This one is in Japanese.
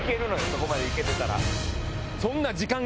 そこまでいけてたら。